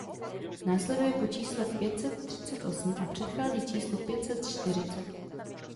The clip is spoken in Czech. Následuje po čísle pět set třicet osm a předchází číslu pět set čtyřicet.